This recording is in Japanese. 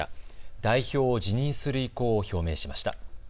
代表を辞任する意向を表明しました。